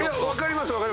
分かります。